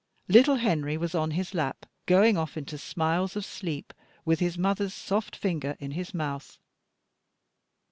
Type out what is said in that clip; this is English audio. Little Henry was on his lap, going off into smiles of sleep, with his mother's soft finger in his mouth.